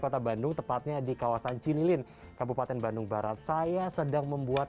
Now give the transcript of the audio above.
kota bandung tepatnya di kawasan cinilin kabupaten bandung barat saya sedang membuat